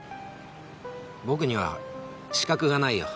僕には資格がないよ。